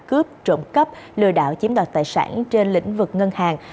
cướp trộm cắp lừa đảo chiếm đoạt tài sản trên lĩnh vực ngân hàng